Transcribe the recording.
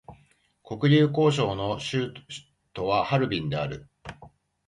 黒竜江省の省都はハルビンである